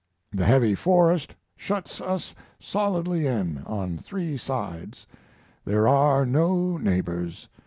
The heavy forest shuts us solidly in on three sides there are no neighbors.